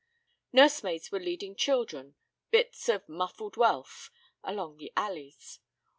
Nursemaids were leading children, bits of muffled wealth, along the alleys.